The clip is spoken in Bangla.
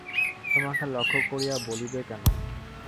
তোমাকে লক্ষ্য করিয়া বলিব কেন?